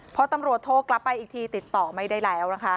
พอตำรวจโทรกลับไปอีกทีติดต่อไม่ได้แล้วนะคะ